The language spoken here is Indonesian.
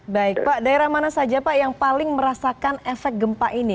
baik pak daerah mana saja pak yang paling merasakan efek gempa ini